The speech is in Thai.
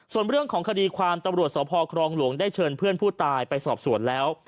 ส่วนเรื่องของคดีความตำรวจสพครองหลวงได้เชิญเพื่อนผู้ตายไปสอบสวนแล้ว